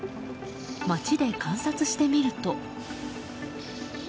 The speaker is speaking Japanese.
街で観察してみると。